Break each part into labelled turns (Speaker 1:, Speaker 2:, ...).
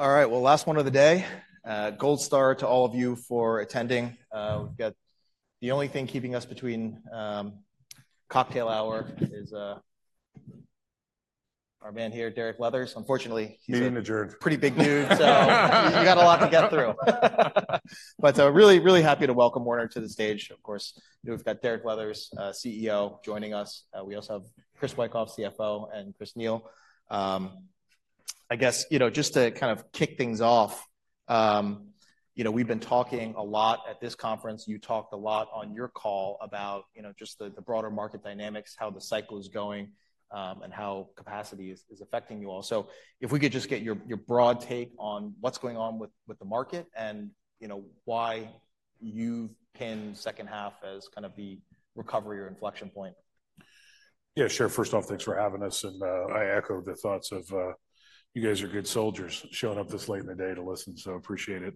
Speaker 1: All right, well, last one of the day. Gold star to all of you for attending. The only thing keeping us between cocktail hour is our man here, Derek Leathers. Unfortunately, he's a.
Speaker 2: Me and the germ.
Speaker 1: Pretty big dude, so you got a lot to get through. But really, really happy to welcome Werner to the stage. Of course, we've got Derek Leathers, CEO, joining us. We also have Chris Wikoff, CFO, and Chris Neil. I guess just to kind of kick things off, we've been talking a lot at this conference. You talked a lot on your call about just the broader market dynamics, how the cycle is going, and how capacity is affecting you all. So if we could just get your broad take on what's going on with the market and why you've pinned H2 as kind of the recovery or inflection point.
Speaker 2: Yeah, sure. First off, thanks for having us. I echo the thoughts of you guys are good soldiers showing up this late in the day to listen, so appreciate it.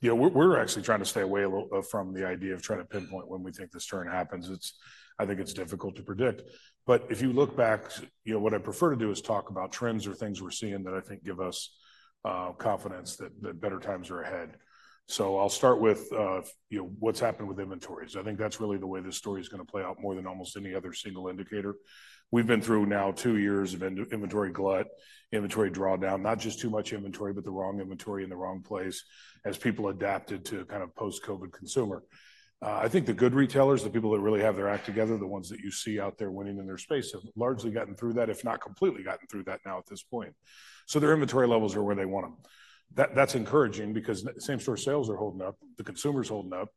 Speaker 2: We're actually trying to stay away from the idea of trying to pinpoint when we think this turn happens. I think it's difficult to predict. If you look back, what I prefer to do is talk about trends or things we're seeing that I think give us confidence that better times are ahead. I'll start with what's happened with inventories. I think that's really the way this story is going to play out more than almost any other single indicator. We've been through now 2 years of inventory glut, inventory drawdown, not just too much inventory, but the wrong inventory in the wrong place as people adapted to kind of post-COVID consumer. I think the good retailers, the people that really have their act together, the ones that you see out there winning in their space, have largely gotten through that, if not completely gotten through that now at this point. So their inventory levels are where they want them. That's encouraging because same-store sales are holding up, the consumer's holding up,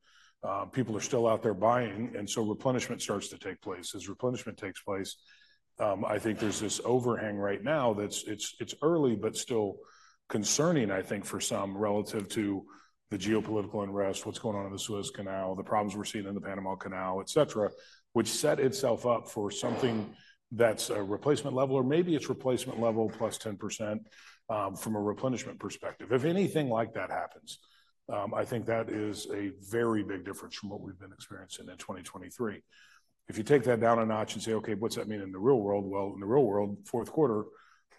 Speaker 2: people are still out there buying, and so replenishment starts to take place. As replenishment takes place, I think there's this overhang right now that's early but still concerning, I think, for some relative to the geopolitical unrest, what's going on in the Suez Canal, the problems we're seeing in the Panama Canal, etc., which set itself up for something that's a replacement level, or maybe it's replacement level plus 10% from a replenishment perspective. If anything like that happens, I think that is a very big difference from what we've been experiencing in 2023. If you take that down a notch and say, "Okay, what's that mean in the real world?" Well, in the real world, Q4,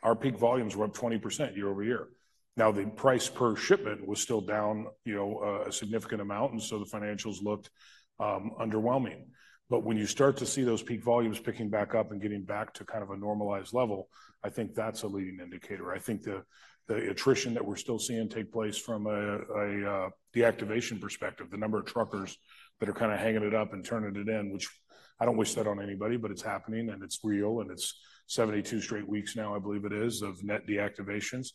Speaker 2: our peak volumes were up 20% year-over-year. Now, the price per shipment was still down a significant amount, and so the financials looked underwhelming. But when you start to see those peak volumes picking back up and getting back to kind of a normalized level, I think that's a leading indicator. I think the attrition that we're still seeing take place from a deactivation perspective, the number of truckers that are kind of hanging it up and turning it in, which I don't wish that on anybody, but it's happening and it's real, and it's 72 straight weeks now, I believe it is, of net deactivations.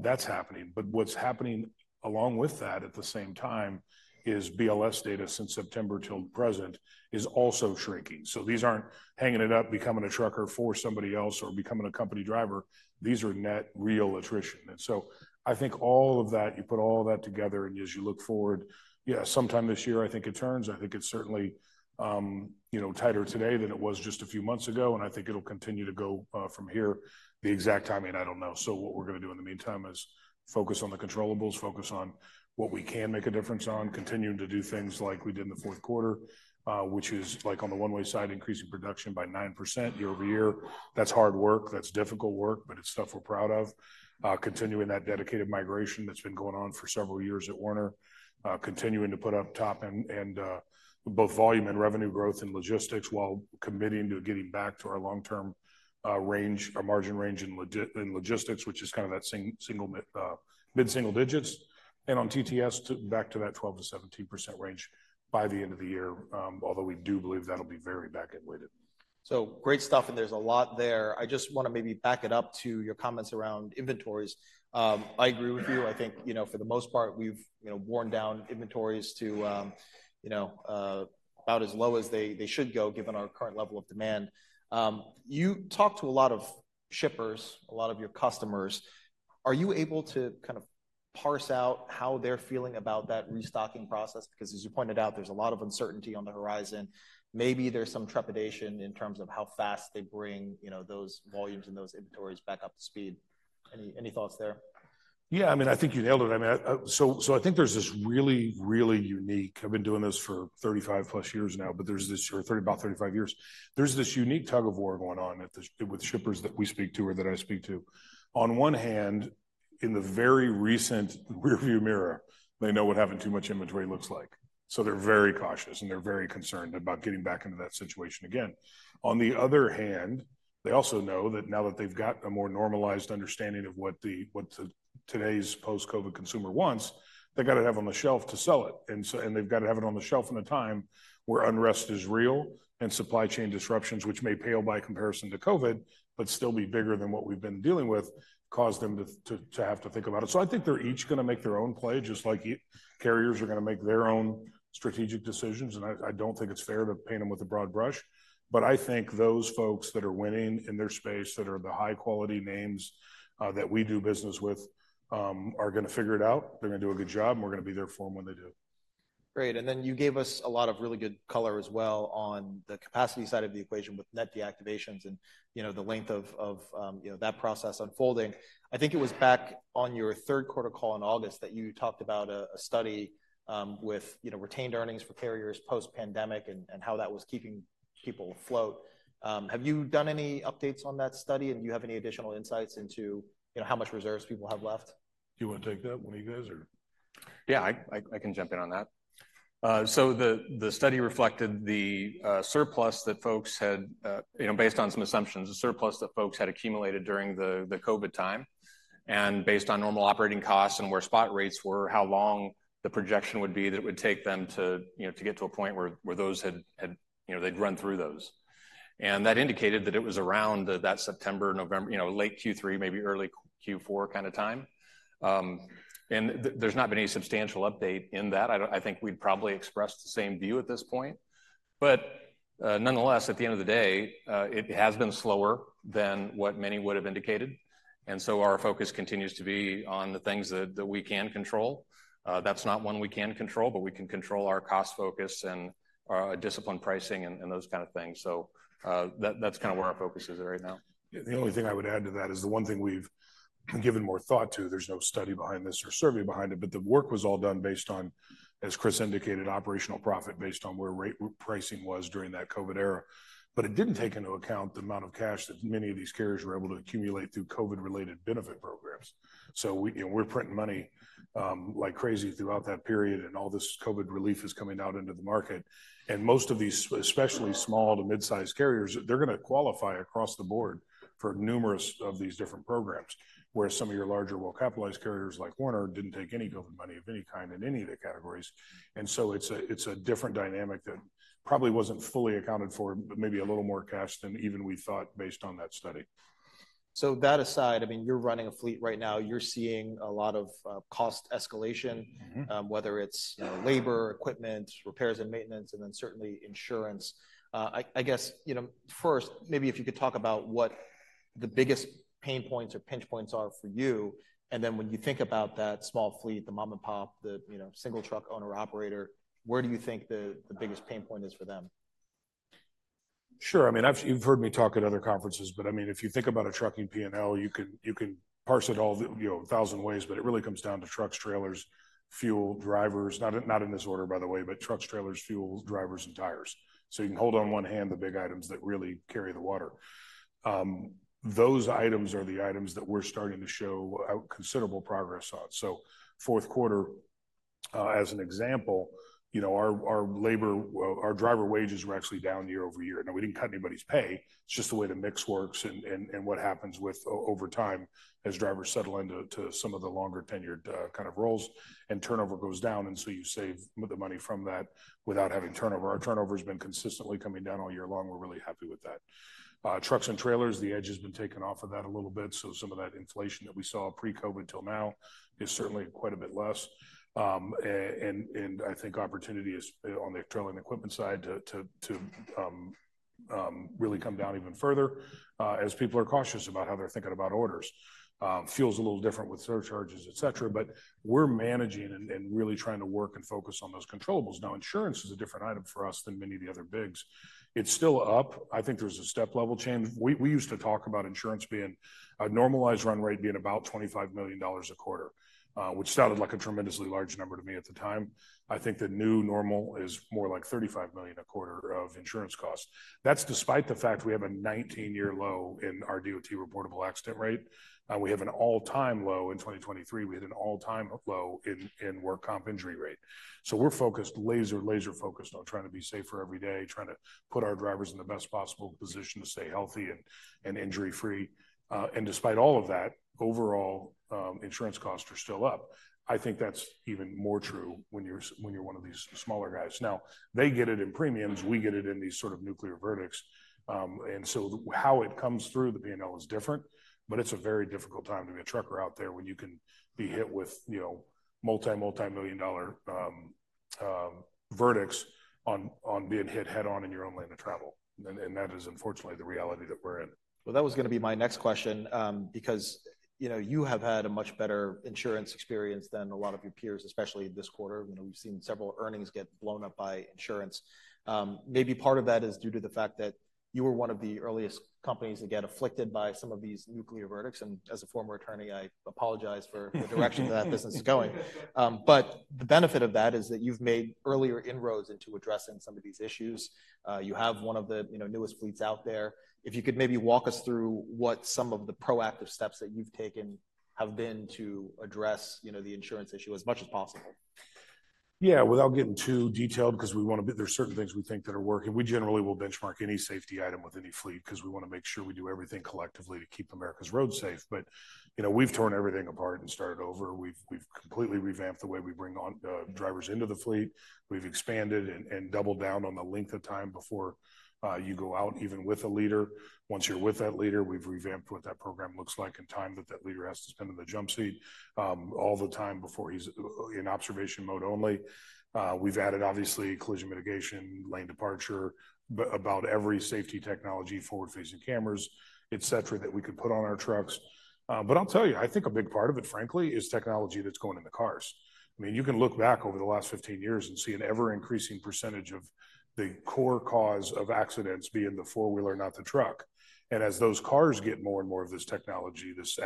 Speaker 2: That's happening. But what's happening along with that at the same time is BLS data since September till present is also shrinking. So these aren't hanging it up, becoming a trucker for somebody else, or becoming a company driver. These are net real attrition. And so I think all of that, you put all of that together and as you look forward, yeah, sometime this year, I think it turns. I think it's certainly tighter today than it was just a few months ago, and I think it'll continue to go from here. The exact timing, I don't know. So what we're going to do in the meantime is focus on the controllables, focus on what we can make a difference on, continuing to do things like we did in the Q4, which is like on the one-way side, increasing production by 9% year-over-year. That's hard work. That's difficult work, but it's stuff we're proud of. Continuing that dedicated migration that's been going on for several years at Werner. Continuing to put up top end and both volume and revenue growth in logistics while committing to getting back to our long-term range, our margin range in logistics, which is kind of that mid-single digits. And on TTS, back to that 12%-17% range by the end of the year, although we do believe that'll be very back-end weighted.
Speaker 1: Great stuff, and there's a lot there. I just want to maybe back it up to your comments around inventories. I agree with you. I think for the most part, we've worn down inventories to about as low as they should go given our current level of demand. You talk to a lot of shippers, a lot of your customers. Are you able to kind of parse out how they're feeling about that restocking process? Because as you pointed out, there's a lot of uncertainty on the horizon. Maybe there's some trepidation in terms of how fast they bring those volumes and those inventories back up to speed. Any thoughts there?
Speaker 2: Yeah, I mean, I think you nailed it. I mean, so I think there's this really, really unique. I've been doing this for 35+ years now, but there's this, or about 35 years, there's this unique tug of war going on with shippers that we speak to or that I speak to. On one hand, in the very recent rearview mirror, they know what having too much inventory looks like. So they're very cautious and they're very concerned about getting back into that situation again. On the other hand, they also know that now that they've got a more normalized understanding of what today's post-COVID consumer wants, they got to have on the shelf to sell it. They've got to have it on the shelf in a time where unrest is real and supply chain disruptions, which may pale by comparison to COVID, but still be bigger than what we've been dealing with, cause them to have to think about it. So I think they're each going to make their own play, just like carriers are going to make their own strategic decisions. And I don't think it's fair to paint them with a broad brush. But I think those folks that are winning in their space, that are the high-quality names that we do business with, are going to figure it out. They're going to do a good job, and we're going to be there for them when they do.
Speaker 1: Great. And then you gave us a lot of really good color as well on the capacity side of the equation with net deactivations and the length of that process unfolding. I think it was back on your Q3 call in August that you talked about a study with retained earnings for carriers post-pandemic and how that was keeping people afloat. Have you done any updates on that study? And do you have any additional insights into how much reserves people have left?
Speaker 2: Do you want to take that, one of you guys, or?
Speaker 3: Yeah, I can jump in on that. So the study reflected the surplus that folks had, based on some assumptions, the surplus that folks had accumulated during the COVID time. And based on normal operating costs and where spot rates were, how long the projection would be that it would take them to get to a point where those had, they'd run through those. And that indicated that it was around that September, November, late Q3, maybe early Q4 kind of time. And there's not been any substantial update in that. I think we'd probably expressed the same view at this point. But nonetheless, at the end of the day, it has been slower than what many would have indicated. And so our focus continues to be on the things that we can control. That's not one we can control, but we can control our cost focus and disciplined pricing and those kind of things. So that's kind of where our focus is right now.
Speaker 2: The only thing I would add to that is the one thing we've given more thought to. There's no study behind this or survey behind it, but the work was all done based on, as Chris indicated, operational profit based on where rate pricing was during that COVID era. It didn't take into account the amount of cash that many of these carriers were able to accumulate through COVID-related benefit programs. We're printing money like crazy throughout that period, and all this COVID relief is coming out into the market. Most of these, especially small to midsize carriers, they're going to qualify across the board for numerous of these different programs, whereas some of your larger well-capitalized carriers like Werner didn't take any COVID money of any kind in any of the categories. It's a different dynamic that probably wasn't fully accounted for, but maybe a little more cash than even we thought based on that study.
Speaker 1: That aside, I mean, you're running a fleet right now. You're seeing a lot of cost escalation, whether it's labor, equipment, repairs and maintenance, and then certainly insurance. I guess first, maybe if you could talk about what the biggest pain points or pinch points are for you? Then when you think about that small fleet, the mom-and-pop, the single truck owner-operator, where do you think the biggest pain point is for them?
Speaker 2: Sure. I mean, you've heard me talk at other conferences, but I mean, if you think about a trucking P&L, you can parse it all a thousand ways, but it really comes down to trucks, trailers, fuel, drivers, not in this order, by the way, but trucks, trailers, fuel, drivers, and tires. So you can hold on one hand the big items that really carry the water. Those items are the items that we're starting to show considerable progress on. So Q4, as an example, our driver wages were actually down year-over-year. Now, we didn't cut anybody's pay. It's just the way the mix works and what happens over time as drivers settle into some of the longer-tenured kind of roles and turnover goes down. And so you save the money from that without having turnover. Our turnover has been consistently coming down all year long. We're really happy with that. Trucks and trailers, the edge has been taken off of that a little bit. So some of that inflation that we saw pre-COVID till now is certainly quite a bit less. And I think opportunity is on the trailing equipment side to really come down even further as people are cautious about how they're thinking about orders. Fuels are a little different with surcharges, etc. But we're managing and really trying to work and focus on those controllables. Now, insurance is a different item for us than many of the other bigs. It's still up. I think there's a step-level change. We used to talk about insurance being a normalized run rate being about $25 million a quarter, which sounded like a tremendously large number to me at the time. I think the new normal is more like $35 million a quarter of insurance costs. That's despite the fact we have a 19-year low in our DOT reportable accident rate. We have an all-time low in 2023. We had an all-time low in work comp injury rate. So we're focused, laser, laser focused on trying to be safer every day, trying to put our drivers in the best possible position to stay healthy and injury-free. And despite all of that, overall, insurance costs are still up. I think that's even more true when you're one of these smaller guys. Now, they get it in premiums. We get it in these sort of nuclear verdicts. And so how it comes through the P&L is different. But it's a very difficult time to be a trucker out there when you can be hit with multi, multi-million dollar verdicts on being hit head-on in your own lane of travel. And that is unfortunately the reality that we're in.
Speaker 1: Well, that was going to be my next question because you have had a much better insurance experience than a lot of your peers, especially this quarter. We've seen several earnings get blown up by insurance. Maybe part of that is due to the fact that you were one of the earliest companies to get afflicted by some of these nuclear verdicts. And as a former attorney, I apologize for the direction that that business is going. But the benefit of that is that you've made earlier inroads into addressing some of these issues. You have one of the newest fleets out there. If you could maybe walk us through what some of the proactive steps that you've taken have been to address the insurance issue as much as possible.
Speaker 2: Yeah, without getting too detailed because we want to. There's certain things we think that are working. We generally will benchmark any safety item with any fleet because we want to make sure we do everything collectively to keep America's roads safe. But we've torn everything apart and started over. We've completely revamped the way we bring drivers into the fleet. We've expanded and doubled down on the length of time before you go out, even with a leader. Once you're with that leader, we've revamped what that program looks like and time that that leader has to spend in the jump seat all the time before he's in observation mode only. We've added, obviously, collision mitigation, lane departure, about every safety technology, forward-facing cameras, etc., that we could put on our trucks. But I'll tell you, I think a big part of it, frankly, is technology that's going in the cars. I mean, you can look back over the last 15 years and see an ever-increasing percentage of the core cause of accidents being the 4-wheeler, not the truck. And as those cars get more and more of this technology, this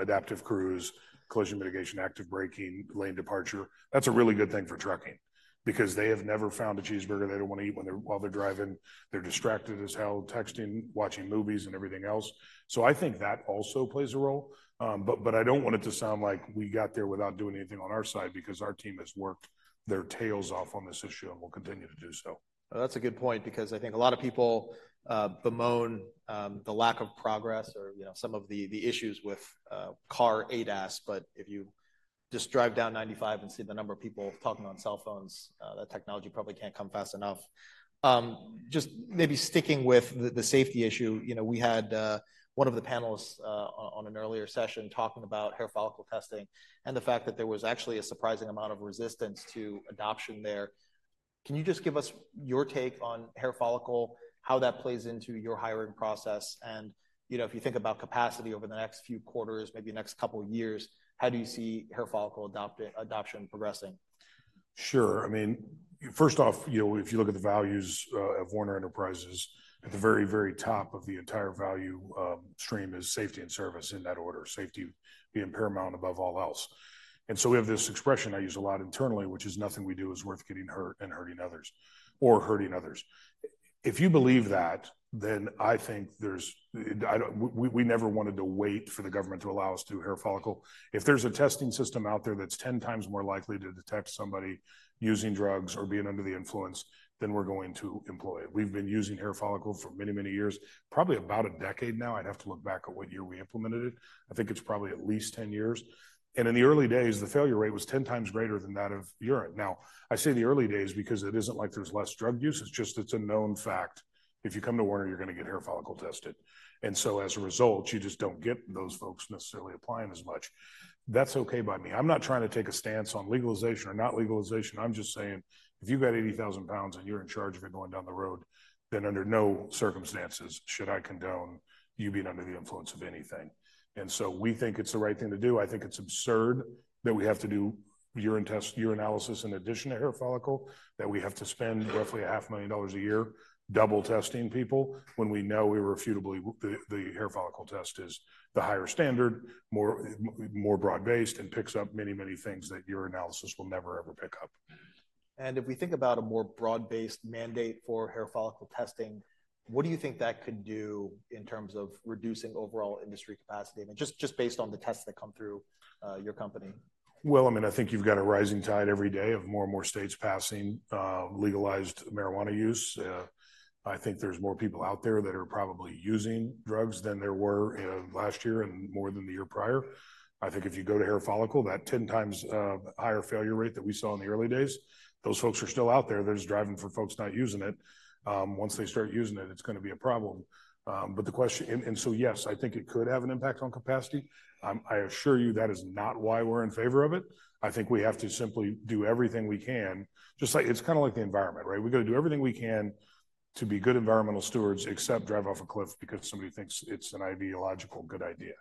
Speaker 2: adaptive cruise, collision mitigation, active braking, lane departure, that's a really good thing for trucking because they have never found a cheeseburger they don't want to eat while they're driving. They're distracted as hell, texting, watching movies, and everything else. So I think that also plays a role. But I don't want it to sound like we got there without doing anything on our side because our team has worked their tails off on this issue and will continue to do so.
Speaker 1: That's a good point because I think a lot of people bemoan the lack of progress or some of the issues with car ADAS. But if you just drive down 95 and see the number of people talking on cell phones, that technology probably can't come fast enough. Just maybe sticking with the safety issue, we had one of the panelists on an earlier session talking about hair follicle testing and the fact that there was actually a surprising amount of resistance to adoption there. Can you just give us your take on hair follicle, how that plays into your hiring process? And if you think about capacity over the next few quarters, maybe next couple of years, how do you see hair follicle adoption progressing?
Speaker 2: Sure. I mean, first off, if you look at the values of Werner Enterprises, at the very, very top of the entire value stream is safety and service in that order. Safety being paramount above all else. And so we have this expression I use a lot internally, which is, "Nothing we do is worth getting hurt and hurting others or hurting others." If you believe that, then I think we never wanted to wait for the government to allow us to do hair follicle. If there's a testing system out there that's 10 times more likely to detect somebody using drugs or being under the influence, then we're going to employ it. We've been using hair follicle for many, many years, probably about a decade now. I'd have to look back at what year we implemented it. I think it's probably at least 10 years. In the early days, the failure rate was 10 times greater than that of urine. Now, I say the early days because it isn't like there's less drug use. It's just it's a known fact. If you come to Werner, you're going to get hair follicle tested. And so as a result, you just don't get those folks necessarily applying as much. That's okay by me. I'm not trying to take a stance on legalization or not legalization. I'm just saying if you've got 80,000 pounds and you're in charge of it going down the road, then under no circumstances should I condone you being under the influence of anything. And so we think it's the right thing to do. I think it's absurd that we have to do urine tests, urinalysis in addition to hair follicle, that we have to spend roughly $500,000 a year double testing people when we know irrefutably the hair follicle test is the higher standard, more broad-based, and picks up many, many things that urinalysis will never, ever pick up.
Speaker 1: If we think about a more broad-based mandate for hair follicle testing, what do you think that could do in terms of reducing overall industry capacity, just based on the tests that come through your company?
Speaker 2: Well, I mean, I think you've got a rising tide every day of more and more states passing legalized marijuana use. I think there's more people out there that are probably using drugs than there were last year and more than the year prior. I think if you go to hair follicle, that 10 times higher failure rate that we saw in the early days, those folks are still out there. They're just driving for folks not using it. Once they start using it, it's going to be a problem. And so yes, I think it could have an impact on capacity. I assure you that is not why we're in favor of it. I think we have to simply do everything we can. It's kind of like the environment, right? We got to do everything we can to be good environmental stewards except drive off a cliff because somebody thinks it's an ideological good idea.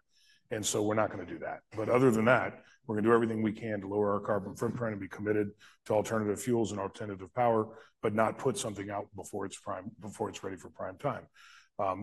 Speaker 2: So we're not going to do that. Other than that, we're going to do everything we can to lower our carbon footprint and be committed to alternative fuels and alternative power, but not put something out before it's ready for prime time.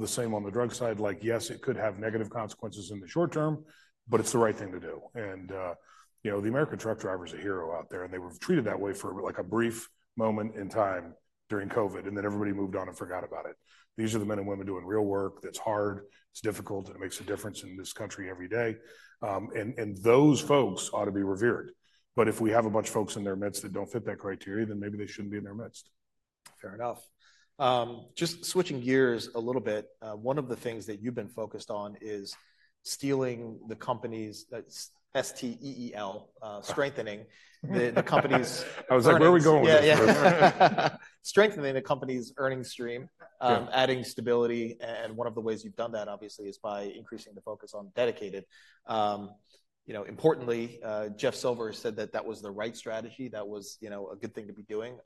Speaker 2: The same on the drug side. Yes, it could have negative consequences in the short term, but it's the right thing to do. The American truck driver is a hero out there, and they were treated that way for a brief moment in time during COVID, and then everybody moved on and forgot about it. These are the men and women doing real work that's hard. It's difficult, and it makes a difference in this country every day. Those folks ought to be revered. But if we have a bunch of folks in their midst that don't fit that criteria, then maybe they shouldn't be in their midst.
Speaker 1: Fair enough. Just switching gears a little bit, one of the things that you've been focused on is Stifel, the company's strengthening.
Speaker 2: I was like, "Where are we going with this?
Speaker 1: Strengthening the company's earnings stream, adding stability. One of the ways you've done that, obviously, is by increasing the focus on dedicated. Importantly, Jeff Silver said that that was the right strategy. That was a good thing to be doing.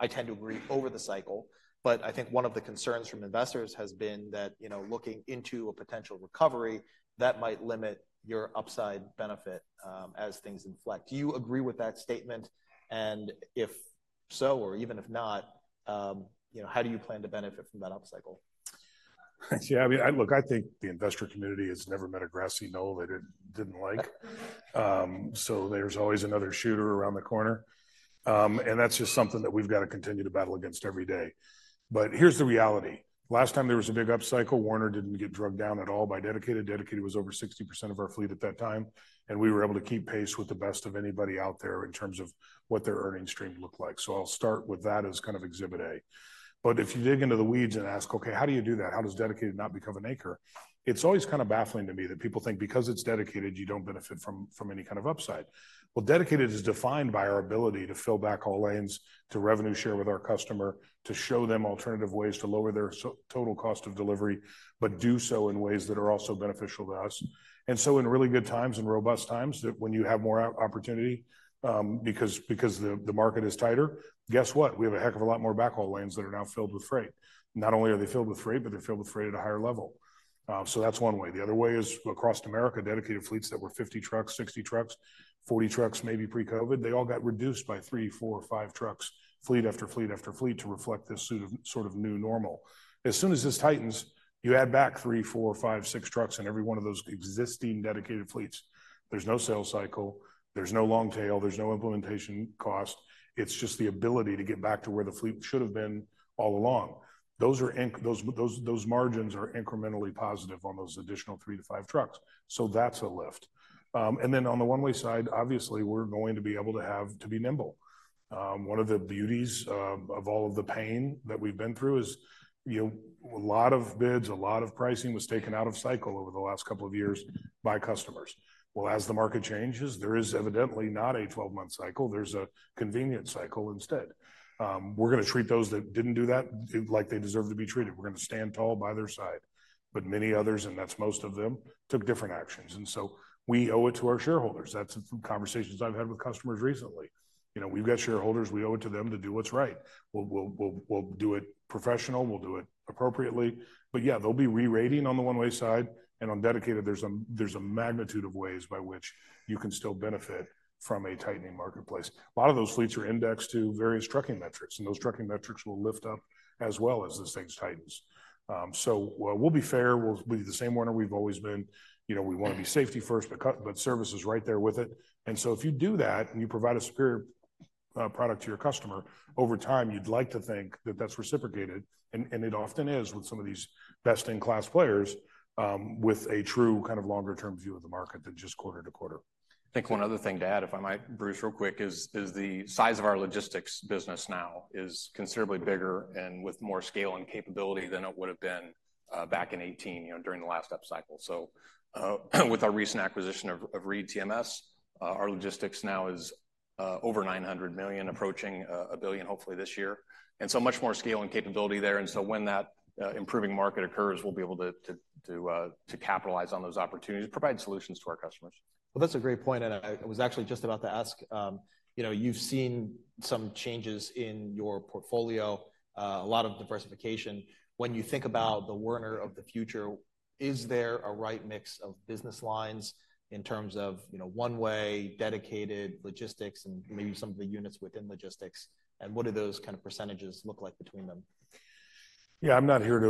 Speaker 1: I tend to agree over the cycle. I think one of the concerns from investors has been that looking into a potential recovery, that might limit your upside benefit as things inflect. Do you agree with that statement? If so, or even if not, how do you plan to benefit from that upcycle?
Speaker 2: Yeah. Look, I think the investor community has never met a grassy knoll they didn't like. So there's always another shooter around the corner. And that's just something that we've got to continue to battle against every day. But here's the reality. Last time there was a big upcycle, Werner didn't get dragged down at all by dedicated. Dedicated was over 60% of our fleet at that time. And we were able to keep pace with the best of anybody out there in terms of what their earnings stream looked like. So I'll start with that as kind of Exhibit A. But if you dig into the weeds and ask, "Okay, how do you do that? How does dedicated not become an anchor?" It's always kind of baffling to me that people think because it's dedicated, you don't benefit from any kind of upside. Well, dedicated is defined by our ability to fill back all lanes, to revenue share with our customer, to show them alternative ways to lower their total cost of delivery, but do so in ways that are also beneficial to us. And so in really good times, in robust times, when you have more opportunity because the market is tighter, guess what? We have a heck of a lot more backhaul lanes that are now filled with freight. Not only are they filled with freight, but they're filled with freight at a higher level. So that's one way. The other way is across America, dedicated fleets that were 50 trucks, 60 trucks, 40 trucks, maybe pre-COVID, they all got reduced by 3, 4, 5 trucks, fleet after fleet after fleet to reflect this sort of new normal. As soon as this tightens, you add back 3, 4, 5, 6 trucks in every one of those existing dedicated fleets. There's no sales cycle. There's no long tail. There's no implementation cost. It's just the ability to get back to where the fleet should have been all along. Those margins are incrementally positive on those additional 3-5 trucks. So that's a lift. And then on the one-way side, obviously, we're going to be able to be nimble. One of the beauties of all of the pain that we've been through is a lot of bids, a lot of pricing was taken out of cycle over the last couple of years by customers. Well, as the market changes, there is evidently not a 12-month cycle. There's a convenient cycle instead. We're going to treat those that didn't do that like they deserve to be treated. We're going to stand tall by their side. But many others, and that's most of them, took different actions. So we owe it to our shareholders. That's some conversations I've had with customers recently. We've got shareholders. We owe it to them to do what's right. We'll do it professionally. We'll do it appropriately. But yeah, they'll be rerating on the one-way side. And on dedicated, there's a magnitude of ways by which you can still benefit from a tightening marketplace. A lot of those fleets are indexed to various trucking metrics. And those trucking metrics will lift up as well as this thing tightens. So we'll be fair. We'll be the same Werner we've always been. We want to be safety first, but service is right there with it. And so if you do that and you provide a superior product to your customer, over time, you'd like to think that that's reciprocated. And it often is with some of these best-in-class players with a true kind of longer-term view of the market than just quarter to quarter.
Speaker 3: I think one other thing to add, if I might interject real quick, is the size of our logistics business now is considerably bigger and with more scale and capability than it would have been back in 2018 during the last upcycle. So with our recent acquisition of ReedTMS, our logistics now is over $900 million, approaching $1 billion, hopefully, this year. And so much more scale and capability there. And so when that improving market occurs, we'll be able to capitalize on those opportunities, provide solutions to our customers.
Speaker 1: Well, that's a great point. I was actually just about to ask, you've seen some changes in your portfolio, a lot of diversification. When you think about the Werner of the future, is there a right mix of business lines in terms of one-way, dedicated logistics, and maybe some of the units within logistics? What do those kind of percentages look like between them?
Speaker 2: Yeah, I'm not here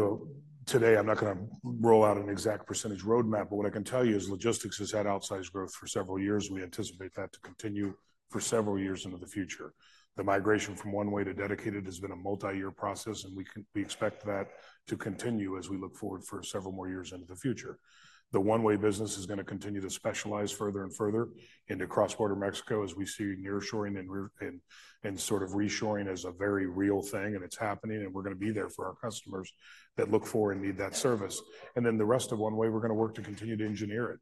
Speaker 2: today. I'm not going to roll out an exact percentage roadmap. But what I can tell you is logistics has had outsized growth for several years. We anticipate that to continue for several years into the future. The migration from one-way to dedicated has been a multi-year process. And we expect that to continue as we look forward for several more years into the future. The one-way business is going to continue to specialize further and further into cross-border Mexico as we see nearshoring and sort of reshoring as a very real thing. And it's happening. And we're going to be there for our customers that look for and need that service. And then the rest of one-way, we're going to work to continue to engineer it.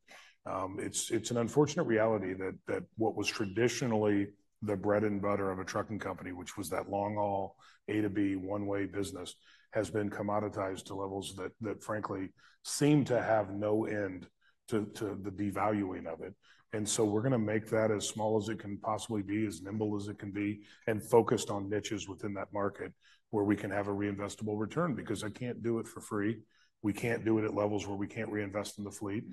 Speaker 2: It's an unfortunate reality that what was traditionally the bread and butter of a trucking company, which was that long-haul A to B one-way business, has been commoditized to levels that, frankly, seem to have no end to the devaluing of it. And so we're going to make that as small as it can possibly be, as nimble as it can be, and focused on niches within that market where we can have a reinvestable return because I can't do it for free. We can't do it at levels where we can't reinvest in the fleet.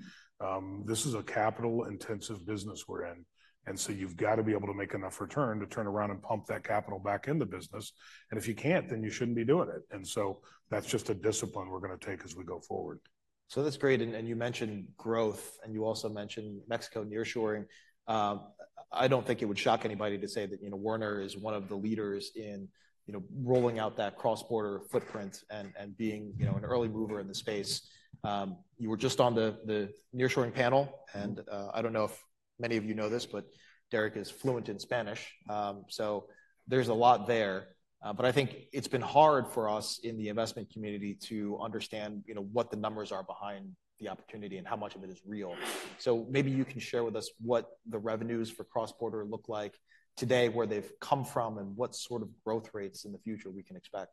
Speaker 2: This is a capital-intensive business we're in. And so you've got to be able to make enough return to turn around and pump that capital back into business. And if you can't, then you shouldn't be doing it. And so that's just a discipline we're going to take as we go forward.
Speaker 3: So that's great. You mentioned growth. You also mentioned Mexico nearshoring. I don't think it would shock anybody to say that Werner is one of the leaders in rolling out that cross-border footprint and being an early mover in the space. You were just on the nearshoring panel. I don't know if many of you know this, but Derek is fluent in Spanish. So there's a lot there. But I think it's been hard for us in the investment community to understand what the numbers are behind the opportunity and how much of it is real. So maybe you can share with us what the revenues for cross-border look like today, where they've come from, and what sort of growth rates in the future we can expect.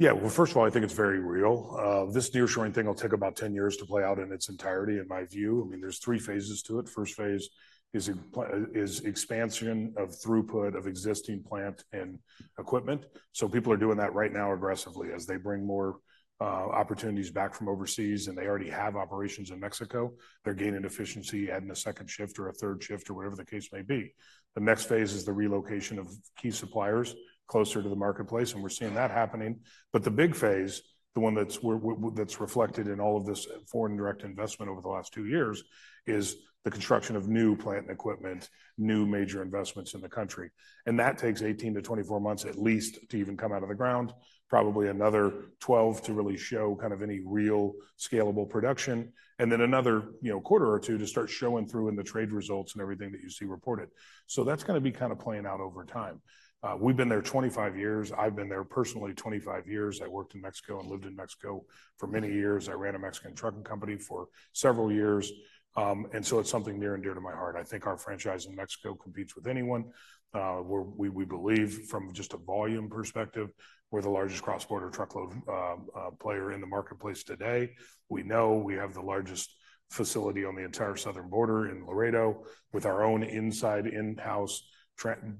Speaker 2: Yeah. Well, first of all, I think it's very real. This nearshoring thing will take about 10 years to play out in its entirety, in my view. I mean, there's 3 phases to it. phase I is expansion of throughput of existing plant and equipment. So people are doing that right now aggressively as they bring more opportunities back from overseas. And they already have operations in Mexico. They're gaining efficiency adding a second shift or a third shift or whatever the case may be. The next phase is the relocation of key suppliers closer to the marketplace. And we're seeing that happening. But the big phase, the one that's reflected in all of this foreign direct investment over the last 2 years, is the construction of new plant and equipment, new major investments in the country. That takes 18-24 months, at least, to even come out of the ground, probably another 12 to really show kind of any real scalable production, and then another quarter or 2 to start showing through in the trade results and everything that you see reported. So that's going to be kind of playing out over time. We've been there 25 years. I've been there personally 25 years. I worked in Mexico and lived in Mexico for many years. I ran a Mexican trucking company for several years. And so it's something near and dear to my heart. I think our franchise in Mexico competes with anyone. We believe, from just a volume perspective, we're the largest cross-border truckload player in the marketplace today. We know we have the largest facility on the entire southern border in Laredo with our own in-house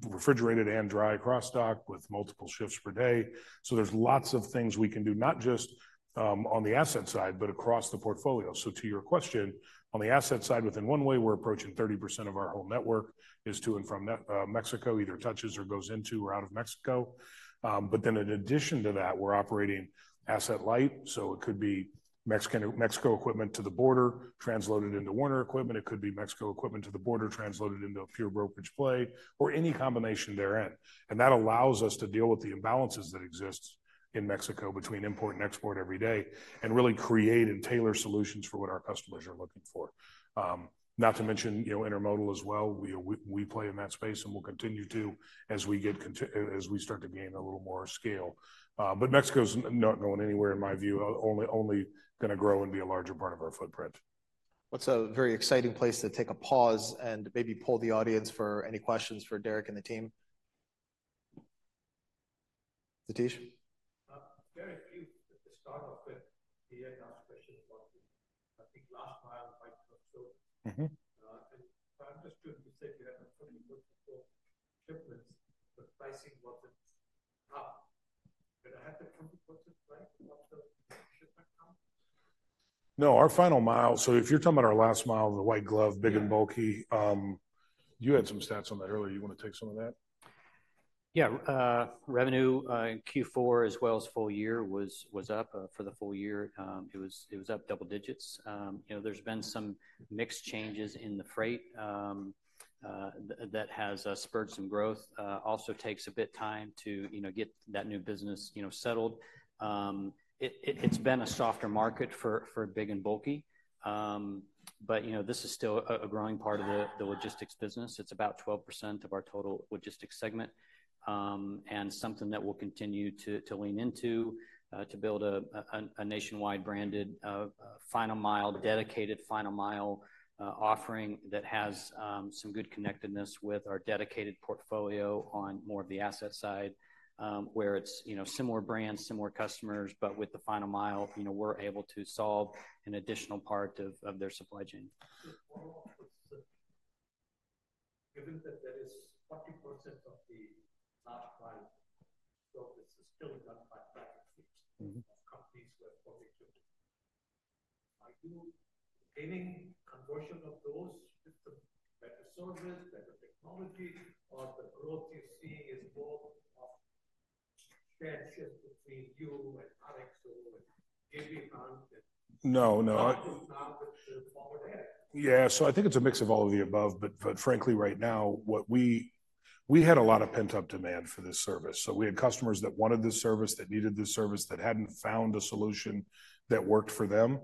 Speaker 2: refrigerated and dry cross-dock with multiple shifts per day. So there's lots of things we can do, not just on the asset side, but across the portfolio. So to your question, on the asset side, within one-way, we're approaching 30% of our whole network is to and from Mexico, either touches or goes into or out of Mexico. But then in addition to that, we're operating asset-light. So it could be Mexico equipment to the border translated into Werner equipment. It could be Mexico equipment to the border translated into a pure brokerage play or any combination therein. That allows us to deal with the imbalances that exist in Mexico between import and export every day and really create and tailor solutions for what our customers are looking for, not to mention intermodal as well. We play in that space, and we'll continue to as we start to gain a little more scale. Mexico is not going anywhere, in my view, only going to grow and be a larger part of our footprint.
Speaker 1: What's a very exciting place to take a pause and maybe pull the audience for any questions for Derek and the team? Satish?
Speaker 4: Very few. I think last mile might come soon. If I understood, you said you had a 20% shipments, but pricing wasn't up. Did I have the 20% right of what the shipment count?
Speaker 2: No, our final mile. So if you're talking about our last mile, the white glove, big and bulky, you had some stats on that earlier. You want to take some of that?
Speaker 3: Yeah. Revenue in Q4 as well as full year was up. For the full year, it was up double digits. There's been some mixed changes in the freight that has spurred some growth. Also takes a bit time to get that new business settled. It's been a softer market for big and bulky. But this is still a growing part of the logistics business. It's about 12% of our total logistics segment and something that we'll continue to lean into to build a nationwide branded final mile, dedicated final mile offering that has some good connectedness with our dedicated portfolio on more of the asset side where it's similar brands, similar customers, but with the final mile, we're able to solve an additional part of their supply chain.
Speaker 4: Given that that is 40% of the last mile, so this is still done by private fleets of companies where 40%. Are you gaining conversion of those with the better service, better technology, or the growth you're seeing is more of share shift between you and RXO and J.B. Hunt and?
Speaker 2: No, no. Yeah. So I think it's a mix of all of the above. But frankly, right now, we had a lot of pent-up demand for this service. So we had customers that wanted this service, that needed this service, that hadn't found a solution that worked for them.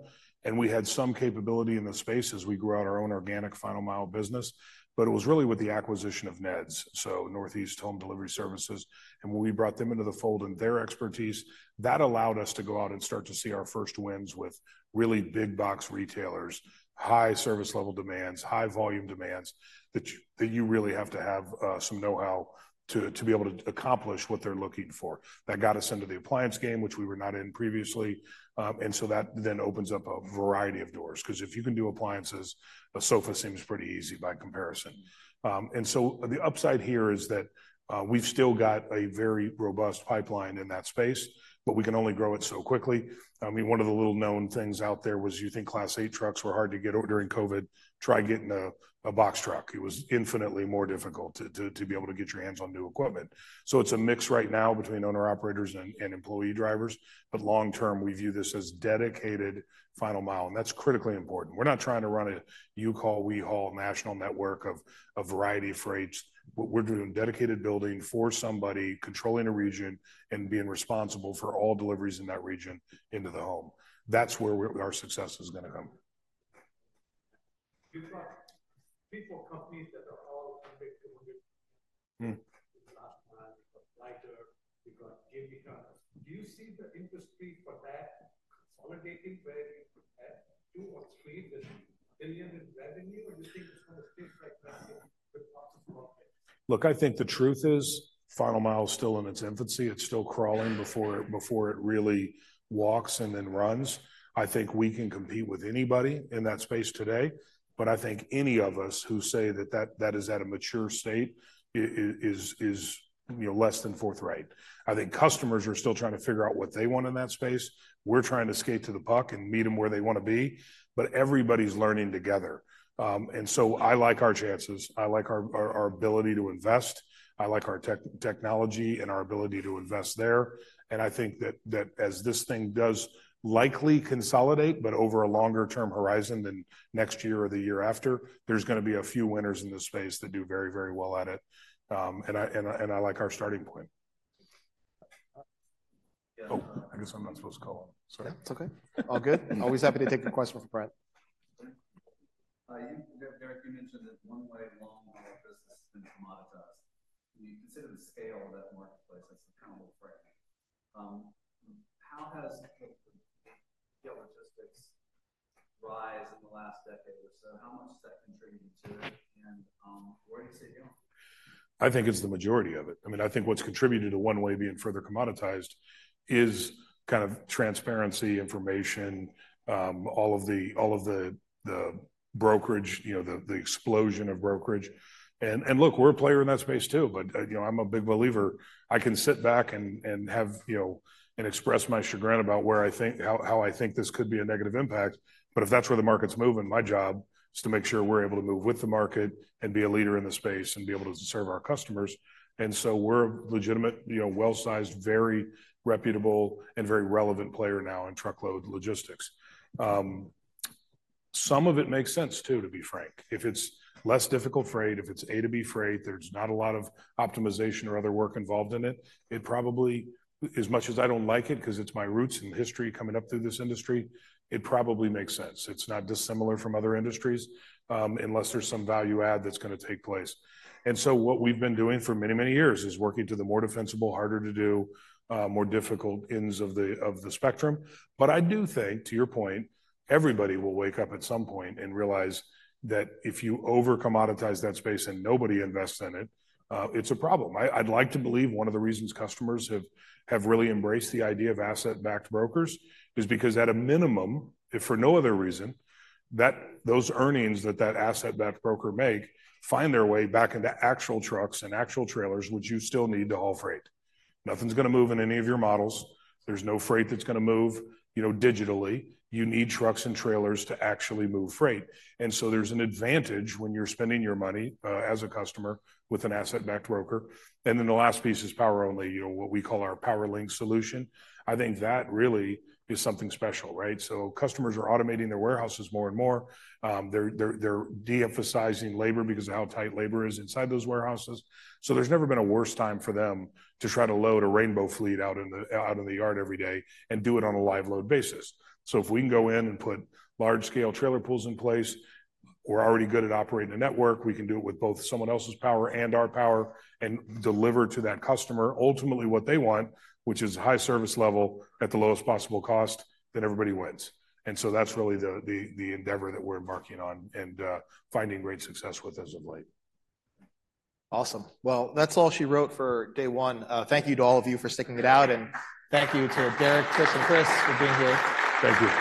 Speaker 2: And we had some capability in the space as we grew out our own organic final mile business. But it was really with the acquisition of NEHDS, so Northeast Home Delivery Services. And when we brought them into the fold and their expertise, that allowed us to go out and start to see our first wins with really big-box retailers, high service-level demands, high-volume demands that you really have to have some know-how to be able to accomplish what they're looking for. That got us into the appliance game, which we were not in previously. And so that then opens up a variety of doors because if you can do appliances, a sofa seems pretty easy by comparison. And so the upside here is that we've still got a very robust pipeline in that space, but we can only grow it so quickly. I mean, one of the little-known things out there was you think Class 8 trucks were hard to get during COVID, try getting a box truck. It was infinitely more difficult to be able to get your hands on new equipment. So it's a mix right now between owner-operators and employee drivers. But long term, we view this as dedicated final mile. And that's critically important. We're not trying to run a you-call-we-call national network of a variety of freights. We're doing dedicated building for somebody controlling a region and being responsible for all deliveries in that region into the home. That's where our success is going to come.
Speaker 4: You've got companies that are all $100-$100 million in the last mile. You've got Ryder. You've got J.B. Hunt. Do you see the industry for that consolidating where you had $2 billion or $3 billion in revenue, or do you think it's going to stick like that with lots of companies?
Speaker 2: Look, I think the truth is final mile is still in its infancy. It's still crawling before it really walks and then runs. I think we can compete with anybody in that space today. But I think any of us who say that that is at a mature state is less than forthright. I think customers are still trying to figure out what they want in that space. We're trying to skate to the puck and meet them where they want to be. But everybody's learning together. And so I like our chances. I like our ability to invest. I like our technology and our ability to invest there. And I think that as this thing does likely consolidate, but over a longer-term horizon than next year or the year after, there's going to be a few winners in this space that do very, very well at it. I like our starting point. Oh, I guess I'm not supposed to call on it. Sorry.
Speaker 3: Yeah, it's okay. All good. Always happy to take a question from Brent.
Speaker 5: Derek, you mentioned that one-way long-haul business has been commoditized. When you consider the scale of that marketplace, that's kind of a little frightening. How has the logistics rise in the last decade or so, how much is that contributing to it? And where do you see it going?
Speaker 2: I think it's the majority of it. I mean, I think what's contributed to one-way being further commoditized is kind of transparency, information, all of the brokerage, the explosion of brokerage. And look, we're a player in that space too. But I'm a big believer. I can sit back and have and express my chagrin about where I think how I think this could be a negative impact. But if that's where the market's moving, my job is to make sure we're able to move with the market and be a leader in the space and be able to serve our customers. And so we're a legitimate, well-sized, very reputable, and very relevant player now in truckload logistics. Some of it makes sense too, to be frank. If it's less difficult freight, if it's A to B freight, there's not a lot of optimization or other work involved in it, as much as I don't like it because it's my roots and history coming up through this industry, it probably makes sense. It's not dissimilar from other industries unless there's some value add that's going to take place. And so what we've been doing for many, many years is working to the more defensible, harder to do, more difficult ends of the spectrum. But I do think, to your point, everybody will wake up at some point and realize that if you over-commoditize that space and nobody invests in it, it's a problem. I'd like to believe one of the reasons customers have really embraced the idea of asset-backed brokers is because, at a minimum, if for no other reason, those earnings that that asset-backed broker makes find their way back into actual trucks and actual trailers, which you still need to haul freight. Nothing's going to move in any of your models. There's no freight that's going to move digitally. You need trucks and trailers to actually move freight. And so there's an advantage when you're spending your money as a customer with an asset-backed broker. And then the last piece is power-only, what we call our PowerLink solution. I think that really is something special, right? So customers are automating their warehouses more and more. They're de-emphasizing labor because of how tight labor is inside those warehouses. So there's never been a worse time for them to try to load a rainbow fleet out in the yard every day and do it on a live-load basis. So if we can go in and put large-scale trailer pools in place, we're already good at operating a network. We can do it with both someone else's power and our power and deliver to that customer ultimately what they want, which is high service level at the lowest possible cost, then everybody wins. And so that's really the endeavor that we're embarking on and finding great success with as of late.
Speaker 1: Awesome. Well, that's all she wrote for day 1. Thank you to all of you for sticking it out. Thank you to Derek, Chris, and Chris for being here.
Speaker 2: Thank you.